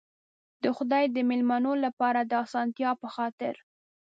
د خدای د مېلمنو لپاره د آسانتیا په خاطر.